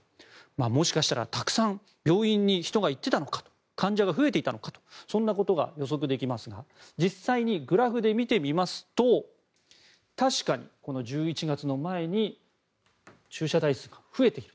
もしかしたらたくさん病院に人が行っていたのかも患者が増えていたのかそんなことが予測できますが実際にグラフで見てみますと確かに１１月の前に駐車台数が増えている。